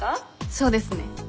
そうですね。